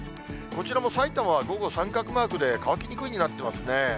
こちらもさいたまは午後、三角マークで乾きにくいになってますね。